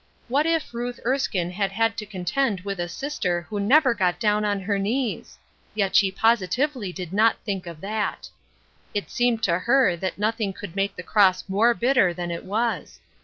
What if Ruth Erskine had had to contend with a sister who never got down on her knees I Yet she pos itively did not think of that. It seemed to her that nothing could make the cross more bitter than it was.